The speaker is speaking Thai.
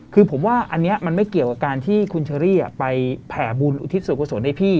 คือผมว่าอันนี้มันไม่เกี่ยวกับการที่คุณเชอรี่ไปแผ่บุญอุทิศส่วนกุศลให้พี่